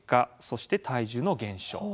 そして体重の減少。